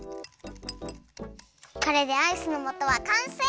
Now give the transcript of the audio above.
これでアイスのもとはかんせい！